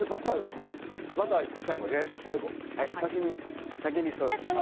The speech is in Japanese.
バターは最後です。